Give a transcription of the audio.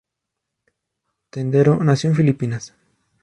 Tendero nació en Filipinas.